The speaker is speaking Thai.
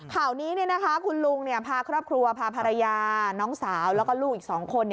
ข่าวนี้คุณลุงพาครอบครัวพาภรรยาน้องสาวแล้วก็ลูกอีก๒คน